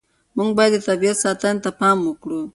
موږ باید د طبیعت ساتنې ته پام وکړو.